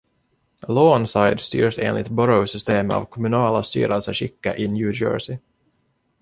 Lawnside styrs enligt Borough-systemet av kommunala styrelseskicket i New Jersey.